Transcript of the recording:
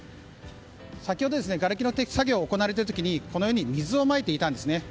先ほど、がれきの撤去作業が行われていた時に水をまいていたんですね。